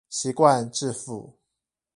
習慣致富